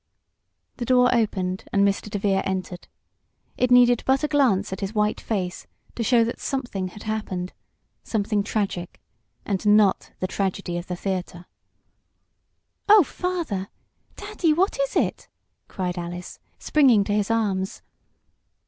The door opened, and Mr. DeVere entered. It needed but a glance at his white face to show that something had happened something tragic and not the tragedy of the theater. "Oh, Father Daddy what is it!" cried Alice, springing to his arms.